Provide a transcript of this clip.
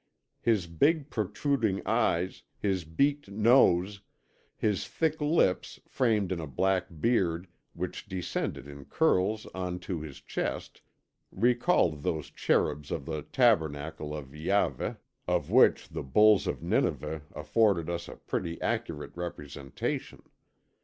His big protruding eyes, his beaked nose, his thick lips framed in a black beard which descended in curls on to his chest recalled those Cherubs of the tabernacle of Iahveh, of which the bulls of Nineveh afford us a pretty accurate representation.